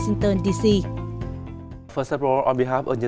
nhưng cũng gặp các loại